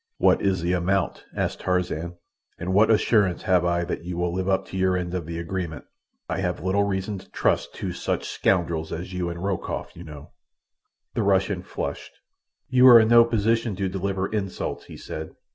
"What is the amount?" asked Tarzan. "And what assurance have I that you will live up to your end of the agreement? I have little reason to trust two such scoundrels as you and Rokoff, you know." The Russian flushed. "You are in no position to deliver insults," he said.